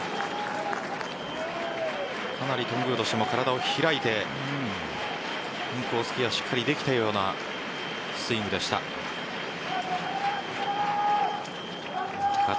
かなり頓宮としても体を開いてインコースケアしっかりできたようなスイングでした。